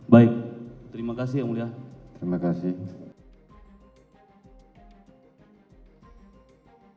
baik terima kasih yang mulia